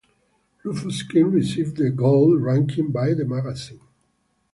Rufus King received the "Gold" ranking by the magazine.